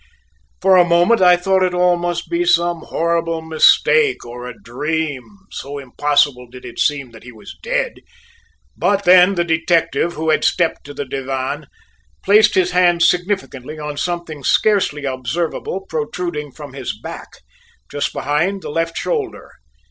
For a moment I thought it all must be some horrible mistake or a dream, so impossible did it seem that he was dead, but then, the detective, who had stepped to the divan, placed his hand significantly on something scarcely observable protruding from his back, just behind the left shoulder.